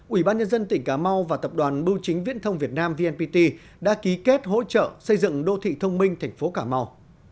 ủy ban nhân dân tỉnh cà mau và tập đoàn bưu chính viễn thông việt nam vnpt đã ký kết hỗ trợ xây dựng đô thị thông minh thành phố cà mau